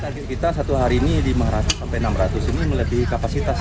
target kita satu hari ini lima ratus sampai enam ratus ini melebihi kapasitas